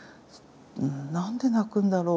何で泣くんだろう？